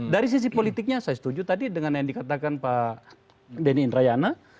dari sisi politiknya saya setuju tadi dengan yang dikatakan pak denny indrayana